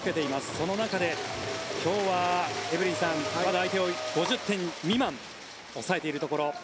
その中で今日はエブリンさん相手を５０点未満に抑えているところ。